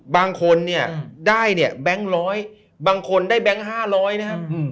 บางคนเนี่ยได้เนี่ยแบงค์ร้อยบางคนได้แบงค์๕๐๐นะครับ